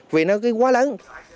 vì nó quá lớn